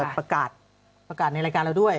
เดี๋ยวเราจะประกาศในรายการเราด้วย